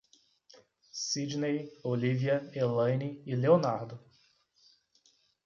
Sidnei, Olívia, Elaine e Leonardo